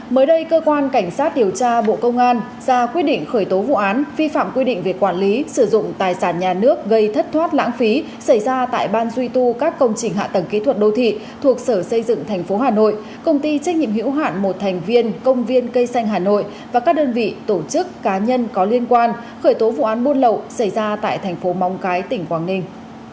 mới đây cơ quan cảnh sát điều tra bộ công an ra quyết định khởi tố vụ án vi phạm quy định việc quản lý sử dụng tài sản nhà nước gây thất thoát lãng phí xảy ra tại ban duy tu các công trình hạ tầng kỹ thuật đô thị thuộc sở xây dựng tp hà nội công ty trách nhiệm hiểu hạn một thành viên công viên cây xanh hà nội và các đơn vị tổ chức cá nhân có liên quan khởi tố vụ án buôn lậu xảy ra tại tp mong cái tỉnh quảng ninh